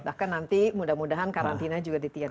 bahkan nanti mudah mudahan karantina juga ditiadakan